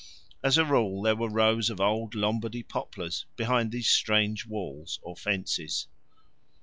As a rule there were rows of old Lombardy poplars behind these strange walls or fences.